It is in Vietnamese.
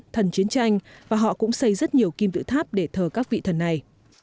thần chiến tranh và họ cũng xây rất nhiều kim tự tháp để thờ các vị thần này